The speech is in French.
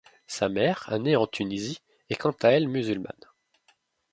Sa mère, née en Tunisie, est quant à elle musulmane.